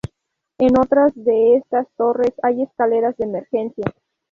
En otras de estas torres hay escaleras de emergencia.